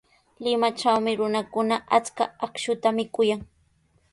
Limatrawmi runakuna achka akshuta mikuyan.